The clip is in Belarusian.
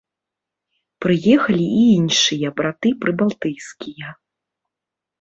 Прыехалі і іншыя браты прыбалтыйскія.